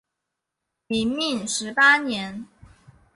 明命十八年。